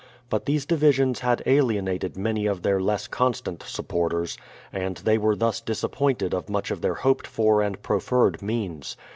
But these divisions had alienated many of their less constant supporters, and they were thus disappointed of much of their hoped for and proffered means.